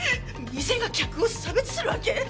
店が客を差別するわけ？